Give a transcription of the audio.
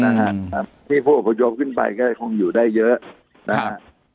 นะฮะที่ผู้ประโยคขึ้นไปก็คงอยู่ได้เยอะครับ